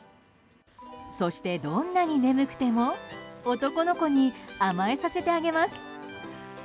そして、どんなに眠くても男の子に甘えさせてあげます。